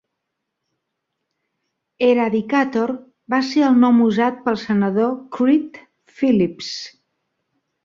Eradicator va ser el nom usat pel senador Creed Phillips.